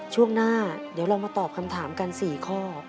ช่วงหน้าเดี๋ยวเรามาตอบคำถามกัน๔ข้อ